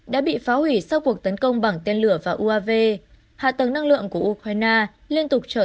đã bị phá hủy sau cuộc tấn công bằng tên lửa vào uav hạ tầng năng lượng của ukraine liên tục trở